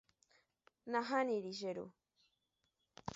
Nahániri che ru.